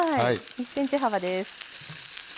１ｃｍ幅です。